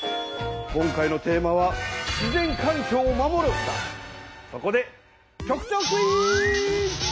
今回のテーマはそこで局長クイズ！